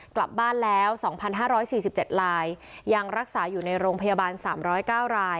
กลับบ้านแล้วสองพันห้าร้อยสี่สิบเจ็ดรายยังรักษาอยู่ในโรงพยาบาลสามร้อยเก้าราย